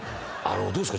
どうですか？